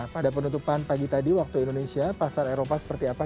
pada penutupan pagi tadi waktu indonesia pasar eropa seperti apa